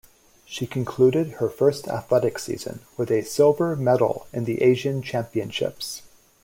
She concluded her first athletics season with a silver medal in the Asian championships.